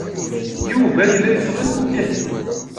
Yuba yella yettɣanfu Kahina.